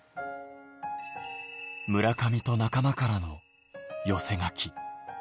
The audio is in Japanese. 村上と仲間からの寄せ書き。